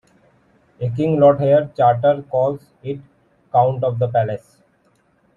A king Lothair charter calls it "count of the palace".